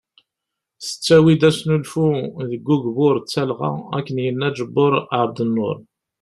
Tettawi-d asnulfu deg ugbur d talɣa ,akken yenna Ǧebur Ɛebdnur.